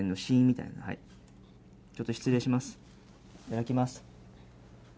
いただきます。